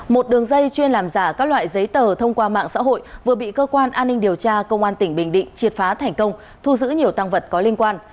một đường dây chuyên làm giả các loại giấy tờ thông qua mạng xã hội vừa bị cơ quan an ninh điều tra công an tỉnh bình định triệt phá thành công thu giữ nhiều tăng vật có liên quan